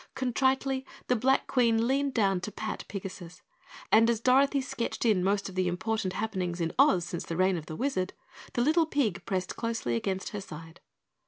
Contritely the Black Queen leaned down to pat Pigasus, and as Dorothy sketched in most of the important happenings in Oz since the reign of the Wizard, the little pig pressed closely against her side.